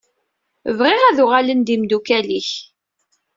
Bɣiɣ ad uɣalen d imdukal-ik.